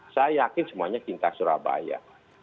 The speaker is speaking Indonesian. saya yakin semuanya cinta surabaya